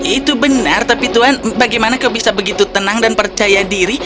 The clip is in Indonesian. itu benar tapi tuhan bagaimana kau bisa begitu tenang dan percaya diri